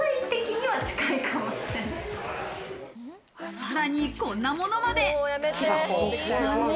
さらに、こんなものまで。